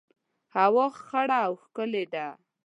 هوا خړه او ښکلي ده